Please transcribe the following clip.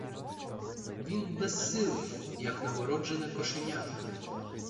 Він — безсилий, як новонароджене кошеня.